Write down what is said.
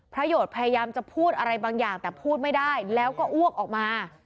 ประโยชน์พยายามจะพูดอะไรบางอย่างแต่พูดไม่ได้แล้วก็อ้วกออกมา